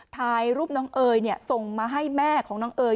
ถ่ายรูปน้องเอ๋ยส่งมาให้แม่ของน้องเอ๋ย